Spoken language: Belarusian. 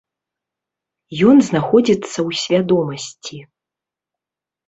Ён знаходзіцца ў свядомасці.